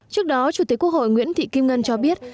trước đó chủ tịch quốc hội nguyễn thị kim ngân cho biết